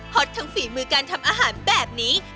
ทั้งฝีมือการทำอาหารแบบนี้